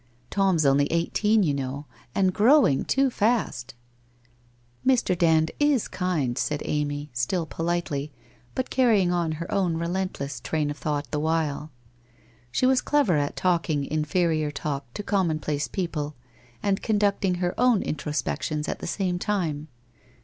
Tom's only eighteen, you know, and growing too fast !'' Mr. Dand is kind,' said Amy, still politely, but carry ing on her own relentless train of thought the while. She was clever at talking inferior talk to commonplace people and conducting her own introspections at the same time.